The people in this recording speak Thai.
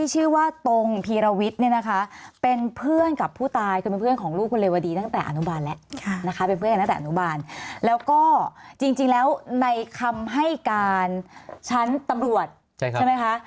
ให้การชั้นตำรวจใช่ไหมคะ